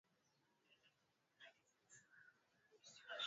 ili kuwezesha kuota kwa majani mapya kwa ajili ya malisho yao